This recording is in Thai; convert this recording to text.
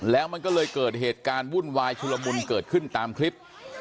แล้วมันก็เลยเกิดเหตุการณ์วุ่นวายชุลมุนเกิดขึ้นตามคลิป